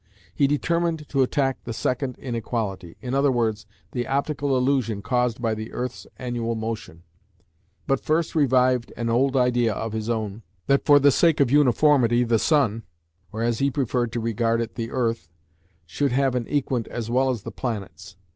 He determined to attack the "second inequality," i.e. the optical illusion caused by the earth's annual motion, but first revived an old idea of his own that for the sake of uniformity the sun, or as he preferred to regard it, the earth, should have an equant as well as the planets.